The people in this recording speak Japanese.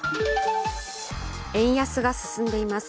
円安が進んでいます。